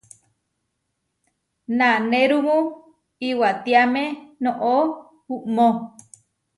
Nanérumu iwatiáme noʼó uʼmó.